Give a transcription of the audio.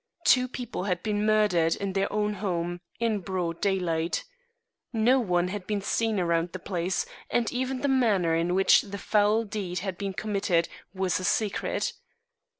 Two people had been murdered in their own home in broad daylight. No one had been seen around the place, and even the manner in which the foul deed had been committed was a secret.